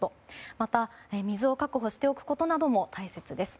また、水を確保しておくことなども大切です。